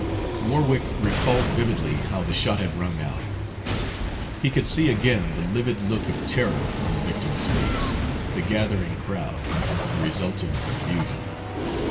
Warwick recalled vividly how the shot had rung out. He could see again the livid look of terror on the victim's face, the gathering crowd, the resulting confusion.